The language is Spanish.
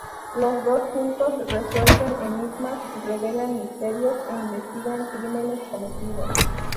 Los dos juntos resuelven enigmas, revelan misterios e investigan crímenes cometidos.